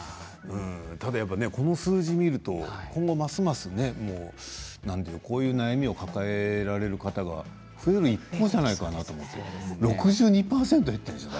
ただやっぱりこの数字を見ると今後、ますますねこういう悩みを抱えられる方が増える一方じゃないかなと思って６２％、減っているんですよね。